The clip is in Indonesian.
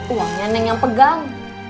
uangnya neng yang pegang